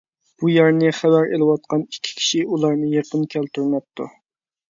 بۇ يەرنى خەۋەر ئېلىۋاتقان ئىككى كىشى ئۇلارنى يېقىن كەلتۈرمەپتۇ.